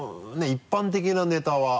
一般的なネタは。